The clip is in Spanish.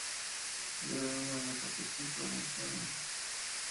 Lleva el nombre de la capital provincial.